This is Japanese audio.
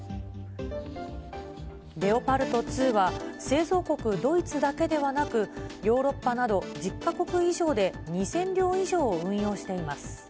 レオパルト２は、製造国、ドイツだけではなく、ヨーロッパなど１０か国以上で２０００両以上を運用しています。